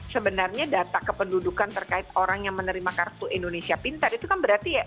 sebenarnya data kependudukan terkait orang yang menerima kartu indonesia pintar itu kan berarti ya